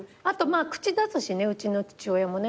口出すしねうちの父親もね